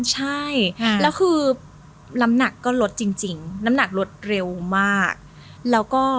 เพราะนั่นคือลำหนักก็ลดจริงนำหนัวลดเร็วมากแล้วก็